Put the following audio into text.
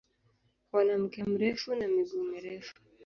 Wana mkia mrefu na miguu mirefu.